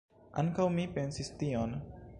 Ankaŭ mi pensis tion.